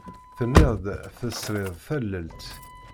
Tenniḍ-d tesriḍ tallelt.